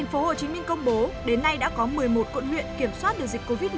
bộ hồ chí minh công bố đến nay đã có một mươi một quận huyện kiểm soát được dịch covid một mươi chín